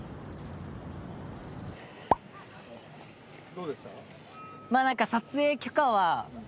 どうでした？